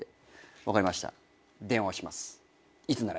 「分かりました」